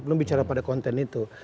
belum bicara pada konten itu